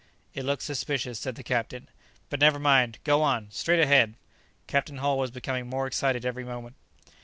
"It looks suspicious," said the captain; "but never mind; go on! straight ahead!" Captain Hull was becoming more excited every moment.